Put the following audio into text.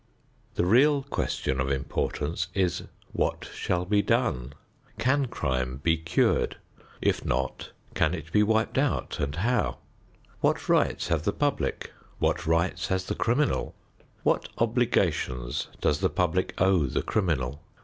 The real question of importance is: What shall be done? Can crime be cured? If not, can it be wiped out and how? What rights have the public? What rights has the criminal? What obligations does the public owe the criminal?